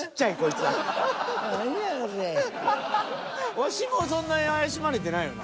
ワシもそんなに怪しまれてないよな？